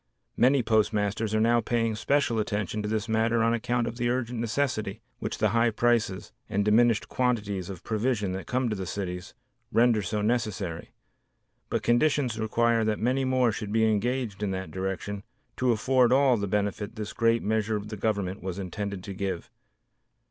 Many postmasters are now paying especial attention to this matter on account of the urgent necessity which the high prices, and diminished quantities of provision that come to the cities, render so necessary, but conditions require that many more should be engaged in that direction to afford all the benefit this great measure of the Government was intended to give.